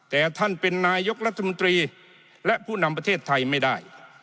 แต่ท่านเป็นนายกรัฐมนตรีและผู้นำประเทศไทยไม่ได้